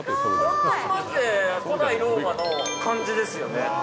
古代ローマの感じですよね。